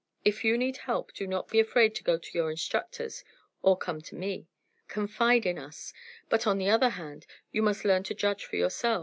If you need help do not be afraid to go to your instructors, or come to me. Confide in us. But, on the other hand, you must learn to judge for yourself.